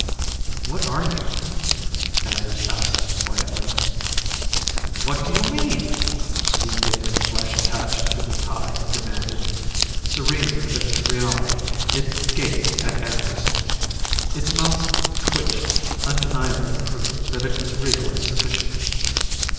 "What are you?" Anders asked quietly. "What do you mean?" the indignant flesh attached to the tie demanded. Serene within its reality, it gaped at Anders. Its mouth twitched, undeniable proof that it was real and sufficient.